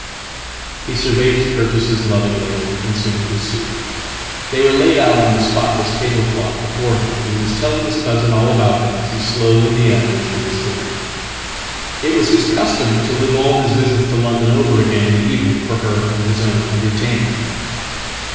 Hesurveyed his purchases lovingly as he consumed his soup. They were laidout on the spotless tablecloth before him, and he was telling his cousinall about them as he slowly meandered through his dinner. It was hiscustom to live all his visits to London over again in the evening for herand his own entertainment."